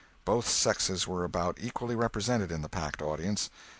Both sexes were about equally represented in the packed audience.